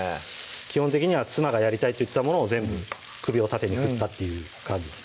基本的には妻が「やりたい」って言ったものを全部首を縦に振ったっていう感じです